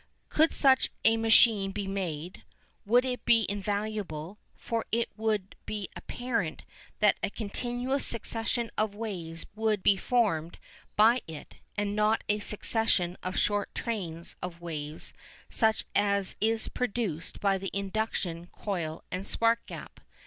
Could such a machine be made, it would be invaluable, for it will be apparent that a continuous succession of waves would be formed by it and not a succession of short trains of waves such as is produced by the induction coil and spark gap.